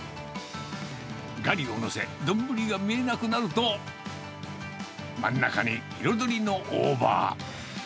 ガリを載せ、丼が見えなくなると、真ん中に彩りの大葉。